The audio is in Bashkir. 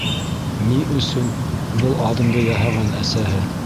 Ни өсөн был аҙымды яһаған әсәһе?